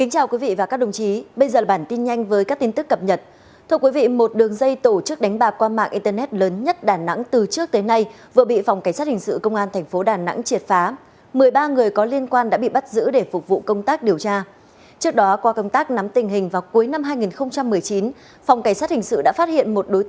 hãy đăng ký kênh để ủng hộ kênh của chúng mình nhé